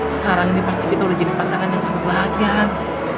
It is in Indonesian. sekarang ini pasti kita udah jadi pasangan yang sebut bahagia kan